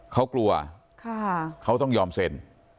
เขากลัวเขาต้องยอมเซ็น